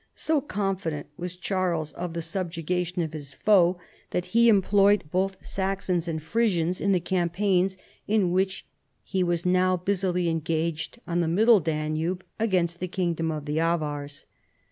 So confident was Charles of the subjugation of his foe that he employed both Saxons and Frisians 158 CHARLEMAGNE. in the campaigns in which he was now busily en gaged on tlie Middle Danube against the kingdom of the Avars.